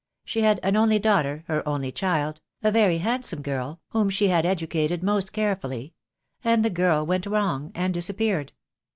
She had an only daughter — her only child — a very handsome girl, whom she had educated most carefully; and the girl went wrong, and disappeared.